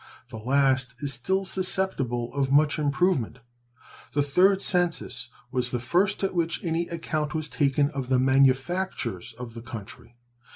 The last is still susceptible of much improvement. The 3rd Census was the first at which any account was taken of the manufactures of the country.